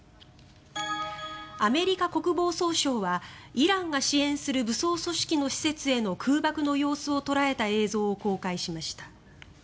アメリカ国防総省はイランが支援する武装組織の施設への空爆の様子を捉えた映像を公開しました。